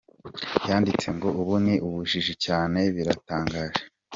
Yanditse ngo “Ubu ni ubujiji cyane, biratangaje.